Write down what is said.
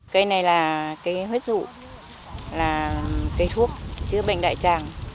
cây này là cây huyết rụ là cây thuốc chứa bệnh đại tràng